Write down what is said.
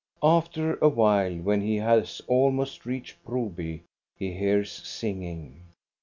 After a while, when he has almost reached Broby, he hears singing.